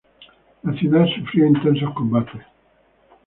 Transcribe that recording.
La ciudad sufrió intensos combates.